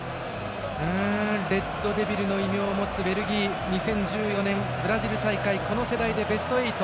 レッドデビルの異名を持つベルギー２０１４年ブラジル大会この世代でベスト８。